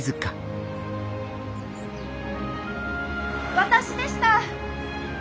私でした！